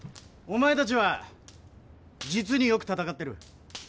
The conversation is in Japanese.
お前たちは実によく戦ってる。